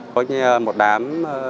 có một đám